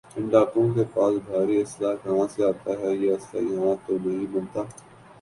ان ڈاکوؤں کے پاس بھاری اسلحہ کہاں سے آتا ہے یہ اسلحہ یہاں تو نہیں بنتا